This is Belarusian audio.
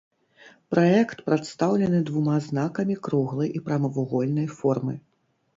Праект прадстаўлены двума знакамі круглай і прамавугольнай формы.